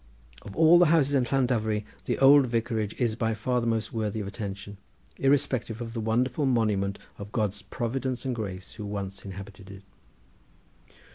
Of all the houses in Llandovery the old vicarage is by far the most worthy of attention, irrespective of the wonderful monument of God's providence and grace who once inhabited it.